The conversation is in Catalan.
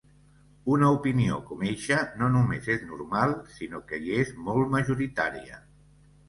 Una opinió com eixa no només és normal, sinó que hi és molt majoritària.